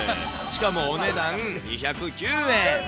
しかもお値段２０９円。